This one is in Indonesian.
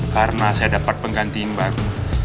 karena saya dapat penggantiin baru